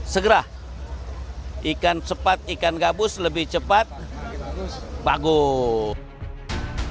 segera ikan cepat ikan gabus lebih cepat bagus